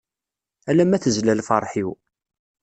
Ala ma tezla lferḥ-iw.